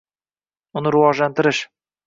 uni rivojlantirish